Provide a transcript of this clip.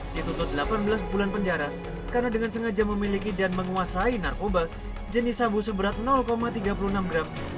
dituntut delapan belas bulan penjara karena dengan sengaja memiliki dan menguasai narkoba jenis sabu seberat tiga puluh enam gram